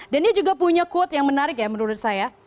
dan dia juga punya quote yang menarik ya menurut saya